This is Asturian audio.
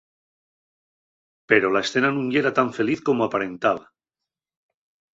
Pero la escena nun yera tan feliz como aparentaba.